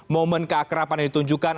momen keakraban yang ditunjukkan